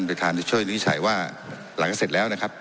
ประธานจะช่วยวินิจฉัยว่าหลังจากเสร็จแล้วนะครับ